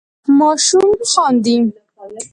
ماشوم خاندي.